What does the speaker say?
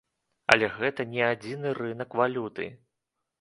Але гэта не адзіны рынак валюты.